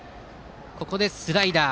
ここでスライダー。